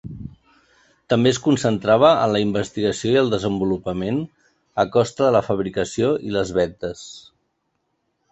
També es concentrava en la investigació i el desenvolupament a costa de la fabricació i les vendes.